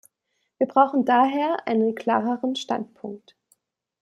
Wir brauchen daher einen klareren Standpunkt.